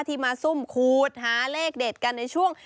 ที่มาซุ่มขูดหาเลขเด็ดกันในช่วง